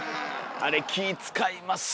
あれ気ぃ遣いますよね。